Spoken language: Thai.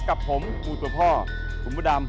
กับผมครูตัวพ่อคุณพระดำ